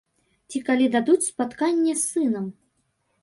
Ці калі дадуць спатканне з сынам.